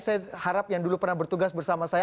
saya harap yang dulu pernah bertugas bersama saya